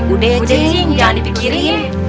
udah cing jangan dipikirin